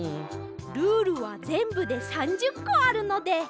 ルールはぜんぶで３０こあるので！